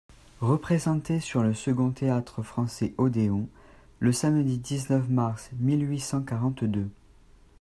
Représentée sur le second Théâtre-Français odéon , le samedi dix-neuf mars mille huit cent quarante-deux.